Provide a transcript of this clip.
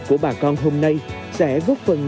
của bà con hôm nay sẽ góp phần